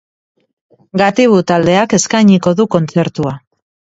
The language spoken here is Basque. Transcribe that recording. Gatibu taldeak eskainiko du kontzertua.